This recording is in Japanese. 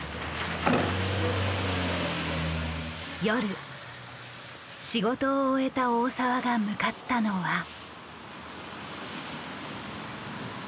夜仕事を終えた大澤が向かったのは。